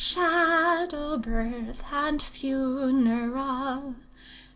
Shadow birth and funeral!